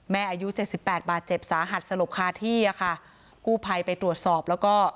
อายุเจ็ดสิบแปดบาดเจ็บสาหัสสลบคาที่อ่ะค่ะกู้ภัยไปตรวจสอบแล้วก็